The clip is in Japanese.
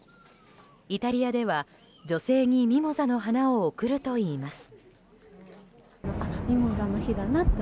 イタリアでは女性にミモザの花を贈るといいます。